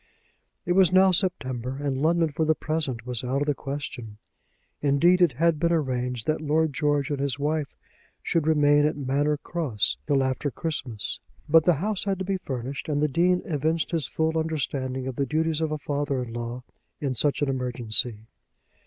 It was now September, and London for the present was out of the question. Indeed, it had been arranged that Lord George and his wife should remain at Manor Cross till after Christmas. But the house had to be furnished, and the Dean evinced his full understanding of the duties of a father in law in such an emergency.